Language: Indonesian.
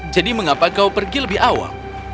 jadi mengapa kau pergi lebih awal